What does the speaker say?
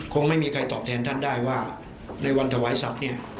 คงไม่มีใครตอบแทนท่านได้ว่าในวันถวายสัตว์เนี่ย